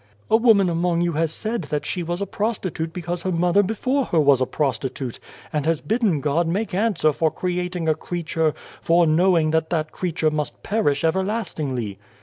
"A woman among you has said that she was a prostitute because her mother before her was a prostitute, and has bidden God make answer for creating a creature, fore knowing that that creature must perish ever lastingly.